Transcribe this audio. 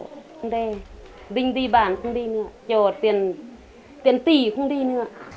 không đe đinh đi bán không đi nữa cho tiền tiền tỷ không đi nữa